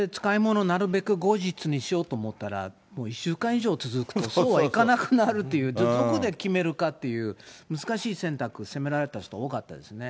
なるべく後日にしようと思ったら、もう１週間以上続くと、そうはいかなくなるという、どこで決めるかという難しい選択を迫られた人が多かったですよね。